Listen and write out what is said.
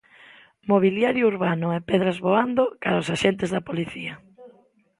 Mobiliario urbano e pedras voando cara aos axentes da Policía.